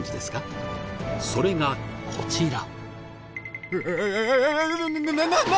それがこちら。